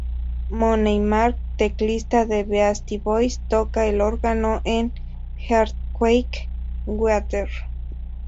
Money Mark, teclista de Beastie Boys, toca el órgano en "Earthquake Weather".